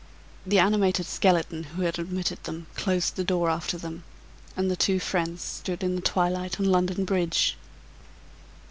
The animated skeleton who had admitted them closed the door after them; and the two friends stood in the twilight on London Bridge.